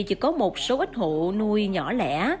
chỉ có một số ít hộ nuôi nhỏ lẻ